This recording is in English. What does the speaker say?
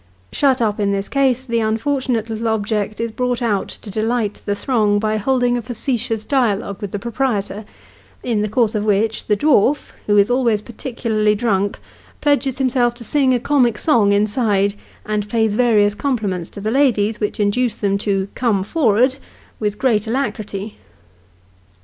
Shut up in this case, the unfortunate little object is brought out to delight the throng by holding a facetioxis dialogue with the proprietor: in the course of which, the dwai'f (who is always particularly drunk) pledges himself to sing a comic song inside, and pays various compliments to the ladies, which induce them to " come for'erd " with great alacrity.